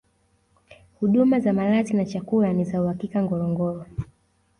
huduma za malazi na chakula ni za uhakika ngorongoro